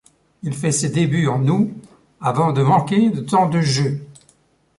Il fait ses débuts en août, avant de manquer de temps de jeu.